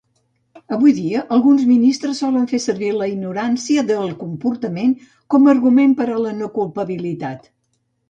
Avui dia, alguns ministres solen fer servir la ignorància del comportament com a argument per a la no culpabilitat.